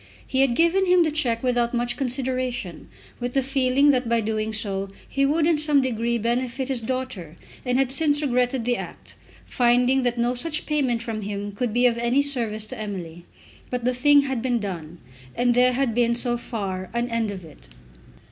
He had given him the cheque without much consideration, with the feeling that by doing so he would in some degree benefit his daughter; and had since regretted the act, finding that no such payment from him could be of any service to Emily. But the thing had been done, and there had been, so far, an end of it.